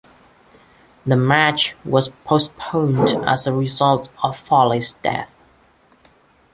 The match was postponed as a result of Foley's death.